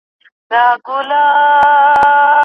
خلګو په خپلو منځونو کي اتفاق کړی و.